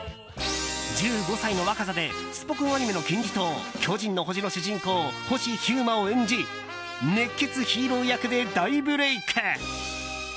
１５歳の若さでスポ根アニメの金字塔「巨人の星」の主人公星飛雄馬を演じ熱血ヒーロー役で大ブレーク。